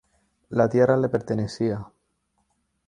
La tierra le pertenecía.